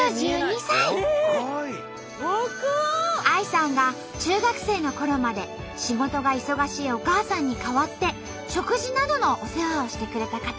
ＡＩさんが中学生のころまで仕事が忙しいお母さんに代わって食事などのお世話をしてくれた方。